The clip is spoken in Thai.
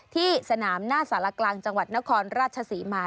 ที่สนามหน้าสารกลางจังหวัดนครราชศรีมา